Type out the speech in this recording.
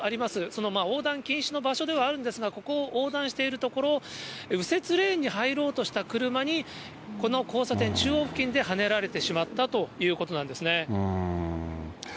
その横断禁止の場所ではあるんですが、ここを横断しているところを、右折レーンに入ろうとした車に、この交差点中央付近ではねられてしまったということなんですね。